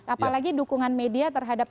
apalagi dukungan media terhadap